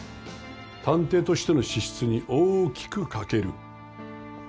探偵としての資質に大きく欠ける。